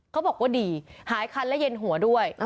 เขาบอกว่าดีหายคันและเย็นหัวด้วย